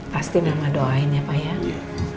pasti mama doain ya payah